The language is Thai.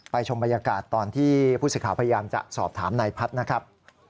ชมบรรยากาศตอนที่ผู้สื่อข่าวพยายามจะสอบถามนายพัฒน์นะครับ